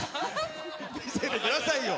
見せてくださいよ。